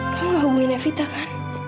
kamu mau hubungin evita kan